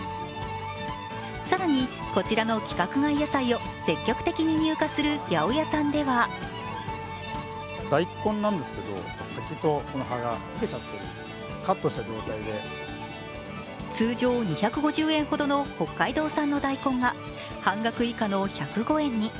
更にこちらの規格外野菜を積極的に入荷する八百屋さんでは通常２５０円ほどの北海道産の大根が半額以下の１０５円に。